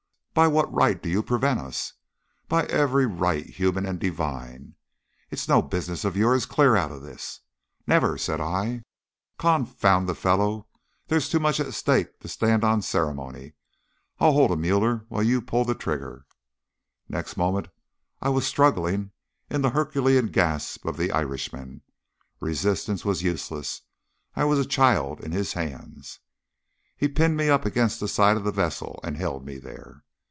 "By what right do you prevent us?" "By every right, human and divine." "It's no business of yours. Clear out of this." "Never!" said I. "Confound the fellow! There's too much at stake to stand on ceremony. I'll hold him, Müller, while you pull the trigger." Next moment I was struggling in the herculean grasp of the Irishman. Resistance was useless; I was a child in his hands. He pinned me up against the side of the vessel, and held me there.